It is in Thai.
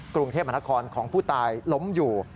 กรุงเทพมหานครของผู้ตายล้มอยู่